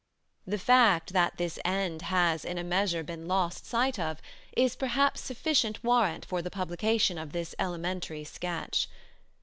The fact that this end has in a measure been lost sight of is perhaps sufficient warrant for the publication of this elementary sketch.